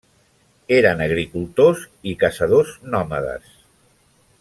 Eren agricultors i caçadors nòmades.